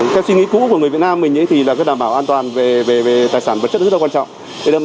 theo suy nghĩ cũ của người việt nam đảm bảo an toàn về tài sản vật chất rất là quan trọng